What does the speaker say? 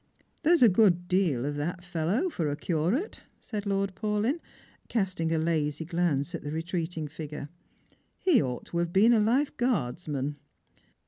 " There's a good deal of that fellow for a curate," said Lord Paulyn, casting a lazy glance at the retreating figure; " he ought to have been a lifeguardsman."